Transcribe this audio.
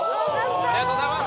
ありがとうございます。